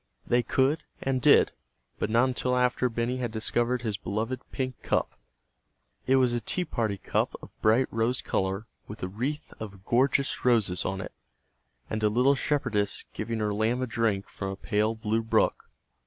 They could, and did, but not until after Benny had discovered his beloved "pink cup." It was a tea party cup of bright rose color with a wreath of gorgeous roses on it, and a little shepherdess giving her lamb a drink from a pale blue brook.